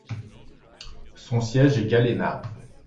Son siège est Galena.